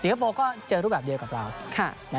คโปร์ก็เจอรูปแบบเดียวกับเรา